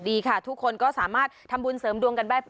ดีค่ะทุกคนก็สามารถทำบุญเสริมดวงกันได้